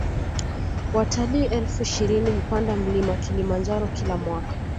watalii elfu ishirini hupanda mlima Kilimanjaro Kila mwaka